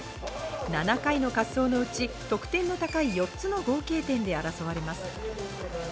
７回の滑走のうち、得点の高い４つの合計点で争われます。